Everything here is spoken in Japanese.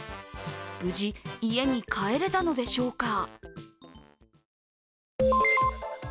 無事、家に帰れたのでしょうか。